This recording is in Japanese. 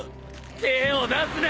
手を出すな。